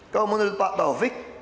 kalau menurut pak taufik